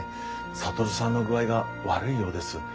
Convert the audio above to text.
智さんの具合が悪いようです。